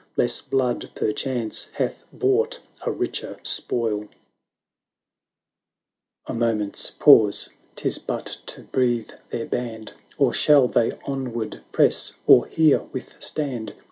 Less blood perchance hath bought a richer spoil ! A moment's pause — 'tis but to breathe their band, Or shall they onward press, or here with stand